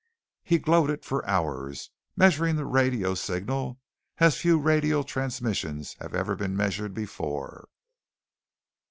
He gloated for hours, measuring the radio signal as few radio transmissions have ever been measured before.